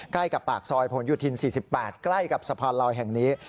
ใกล้กับปากซอยผลโยธิน๔๘ใกล้กับสะพานลอยแห่งนี้